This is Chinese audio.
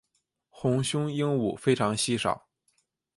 红胸鹦鹉非常稀少。